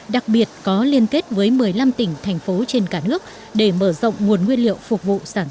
đặc biệt có liên kết với một mươi năm tỉnh thành phố trên cả nước để mở rộng nguồn nguyên liệu phục vụ sản xuất kinh doanh